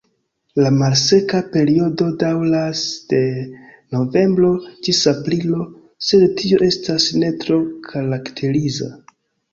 La malseka periodo daŭras de novembro ĝis aprilo, sed tio estas ne tro karakteriza.